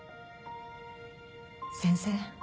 先生